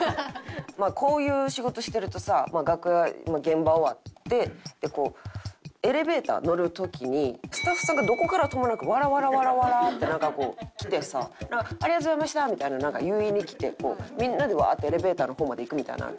まあこういう仕事してるとさ楽屋現場終わってエレベーター乗る時にスタッフさんがどこからともなくわらわらわらわらってなんかこう来てさ「ありがとうございました」みたいなんなんか言いに来てみんなでワーッてエレベーターの方まで行くみたいな。